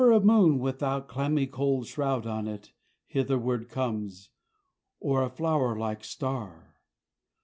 Never a moon without clammy cold shroud on it Hitherward comes, or a flower like star!